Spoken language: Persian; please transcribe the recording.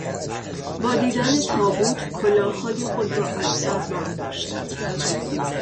با دیدن تابوت کلاههای خود را از سر برداشتند.